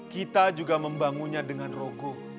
kita juga membangunnya dengan rogoh